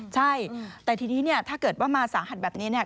ใช่แต่ทีนี้ถ้าเกิดว่ามาสาหัสแบบนี้